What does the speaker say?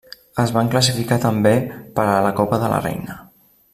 Es van classificar també per a la Copa de la Reina.